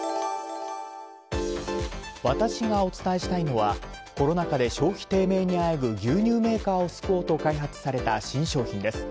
私がお伝えしたいのはコロナ禍で消費低迷にあえぐ牛乳メーカーを救おうと開発された新商品です。